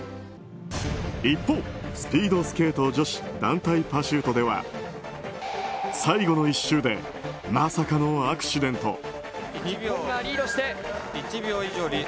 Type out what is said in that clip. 一方、スピードスケート女子団体パシュートでは最後の１周でまさかのアクシデント。